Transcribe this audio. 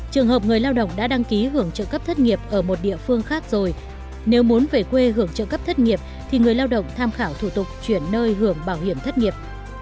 trường hợp người lao động đã đăng ký hưởng trợ cấp thất nghiệp ở một địa phương khác rồi nếu muốn về quê hưởng trợ cấp thất nghiệp thì người lao động tham khảo thủ tục chuyển nơi hưởng bảo hiểm thất nghiệp